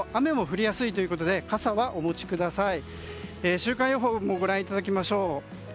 週間予報もご覧いただきましょう。